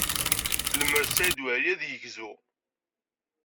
Lemmer d Saɛid Waɛli, ad yegzu.